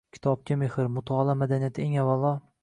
Kitobga mehr, mutolaa madaniyati, eng avvalo